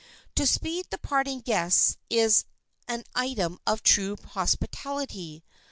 To speed the parting guest is an item of true hospitality.